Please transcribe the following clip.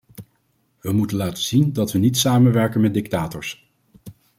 We moeten laten zien dat we niet samenwerken met dictators.